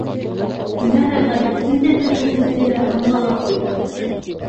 Үмәр ағай, һин дә беҙҙең һүҙҙе аңла ла ҡуй.